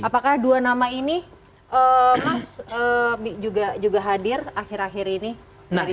apakah dua nama ini mas juga hadir akhir akhir ini